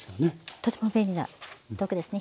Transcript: とても便利な道具ですね。